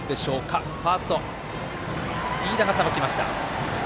飯田がさばきました。